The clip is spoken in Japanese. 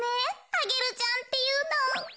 アゲルちゃんっていうの。